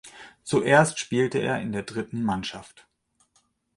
Zuerst spielte er in der dritten Mannschaft.